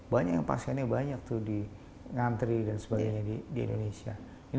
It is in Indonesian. banyak yang pasiennya banyak tuh di ngantri dan sebagainya di indonesia